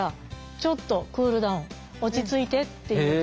ちょっとクールダウン落ち着いて」っていうこと。